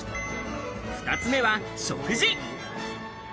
２つ目は食事。